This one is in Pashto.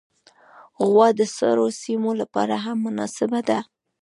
غوا د سړو سیمو لپاره هم مناسبه ده.